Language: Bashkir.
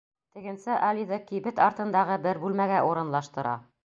Тегенсе Алиҙы кибет артындағы бер бүлмәгә урынлаштыра.